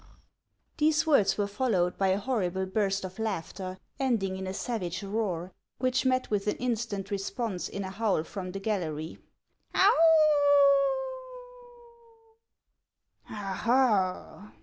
These words were followed by a horrible burst of laugh ter ending in a savage roar, which met with an instant response in a howl from the gallery. " Oh, ho